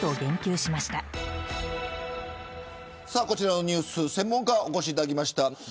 こちらのニュース専門家にお越しいただきました。